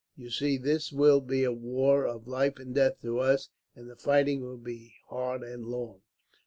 You see, this will be a war of life and death to us, and the fighting will be hard and long."